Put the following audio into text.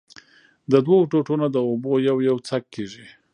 د دؤو ټوټو نه د اوبو يو يو څک کېږي